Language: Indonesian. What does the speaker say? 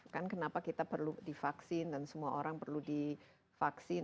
kan kenapa kita perlu divaksin dan semua orang perlu divaksin